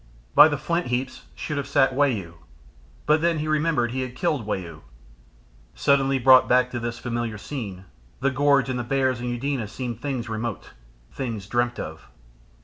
By the flint heaps should have sat Wau but then he remembered he had killed Wau. Suddenly brought back to this familiar scene, the gorge and the bears and Eudena seemed things remote, things dreamt of.